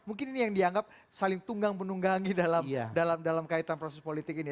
mungkin ini yang dianggap saling tunggang penunggangi dalam kaitan proses politik ini